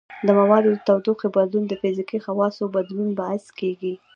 د موادو د تودوخې بدلون د فزیکي خواصو بدلون باعث کیږي.